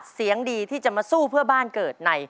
เสียงดีที่จะมาสู้เพื่อบ้านเกิดใน